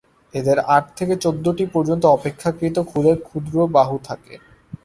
এদের আট থেকে চৌদ্দটি পর্যন্ত অপেক্ষাকৃত ক্ষুদে ক্ষুদ্র বাহু থাকে।